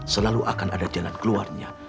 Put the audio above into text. selalu akan ada jalan keluarnya